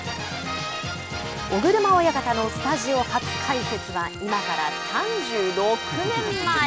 尾車親方のスタジオ初解説は今から３６年前。